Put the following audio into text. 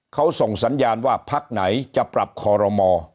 เขาส่งสัญญาณว่าพักไหนจะปรับคอรมอ